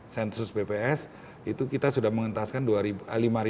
sensus bps itu kita sudah mengentaskan lima tujuh ratus desa tertinggal